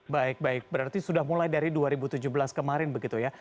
baik baik berarti sudah mulai dari dua ribu tujuh belas kemarin begitu ya